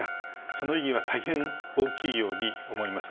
その意義は大変大きいように思います。